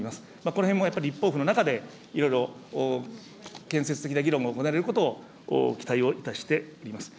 このへんもやっぱり立法府の中で、いろいろ建設的な議論が行われることを期待をいたしています。